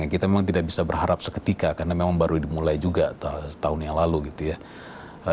kita memang tidak bisa berharap seketika karena memang baru dimulai juga setahun yang lalu gitu ya